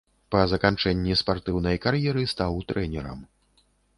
Па заканчэнні спартыўнай кар'еры стаў трэнерам.